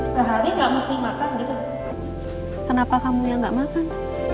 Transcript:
sehari nggak mesti makan gitu kenapa kamu yang nggak makan